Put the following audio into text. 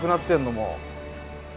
もう。